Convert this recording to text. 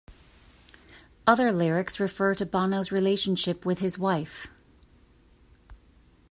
Other lyrics refer to Bono's relationship with his wife.